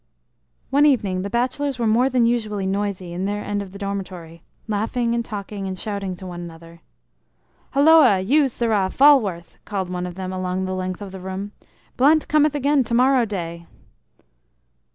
One evening the bachelors were more than usually noisy in their end of the dormitory, laughing and talking and shouting to one another. "Holloa, you sirrah, Falworth!" called one of them along the length of the room. "Blunt cometh again to morrow day."